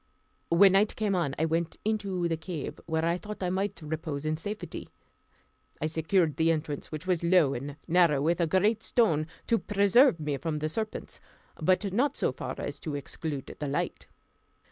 When night came on I went into I cave, where I thought I might repose in safety. I secured the entrance, which was low and narrow, with a great stone, to preserve me from the serpents; but not so far as to exclude the light.